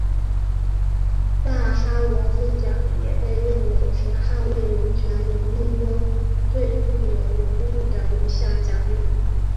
萨哈罗夫奖也被认为是捍卫人权领域中最具有荣誉的一项奖励。